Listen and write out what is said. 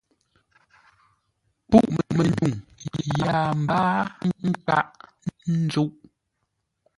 Pûʼ-mənyuŋ yâa mbáa nkâʼ ńzúʼ.